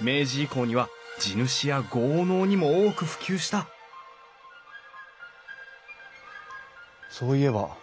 明治以降には地主や豪農にも多く普及したそういえば。